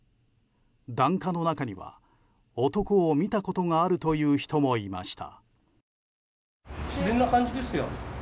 檀家の中には男を見たことがあるという人もいました。